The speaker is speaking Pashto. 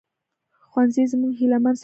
ښوونځی زموږ هيلهمن سبا دی